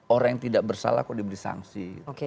orang yang tidak bersalah kok diberi sanksi